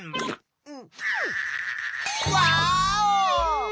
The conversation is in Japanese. ワーオ！